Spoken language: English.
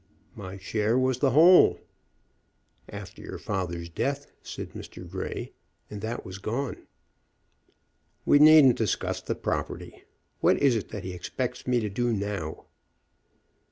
"My share was the whole." "After your father's death," said Mr. Grey; "and that was gone." "We needn't discuss the property. What is it that he expects me to do now?"